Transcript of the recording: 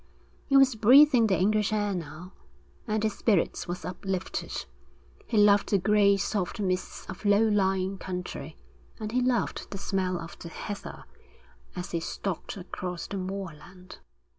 He was breathing the English air now, and his spirit was uplifted. He loved the grey soft mists of low lying country, and he loved the smell of the heather as he stalked across the moorland.